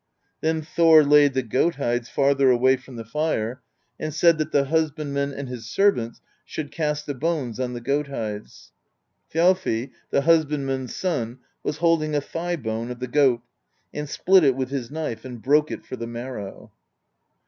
Then Thor laid the goat hides farther away from the fire, and said that the husbandman and his servants should cast the bones on the goat hides. Thjalfi, the husbandman's son, was holding a thigh bone of the goat, and split it with his knife and broke it for the marrow.